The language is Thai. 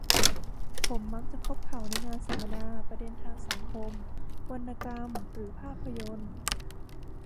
ผมมักจะพบเขาในงานสัมมนาประเด็นทางสังคม วรรณกรรม หรือภาพยนตร์